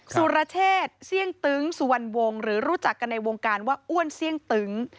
สุรเชษเสี่ยงตึงสุวรรณวงศ์หรือรู้จักกันในวงการว่าอ้วนเสี่ยงตึ้ง